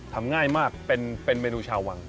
ทำง่ายมากเป็นเมนูชาววัง